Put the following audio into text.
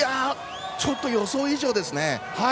ちょっと予想以上ですね。